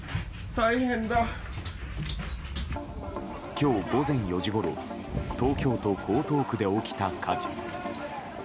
今日午前４時ごろ東京都江東区で起きた火事。